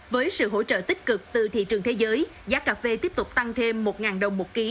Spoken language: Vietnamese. với sự hỗ trợ tích cực từ thị trường thế giới giá cà phê tiếp tục tăng thêm một đồng một ký